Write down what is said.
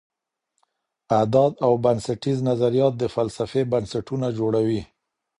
اعداد او بنسټیز نظریات د فلسفې بنسټونه جوړوي.